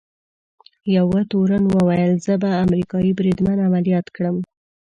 یوه تورن وویل: زه به امریکايي بریدمن عملیات کړم.